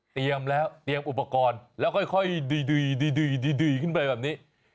เตรียมแล้วเตรียมอุปกรณ์